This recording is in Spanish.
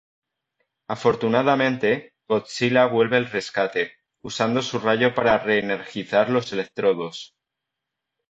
Afortunadamente, Godzilla vuelve al rescate, usando su rayo para re-energizar los electrodos.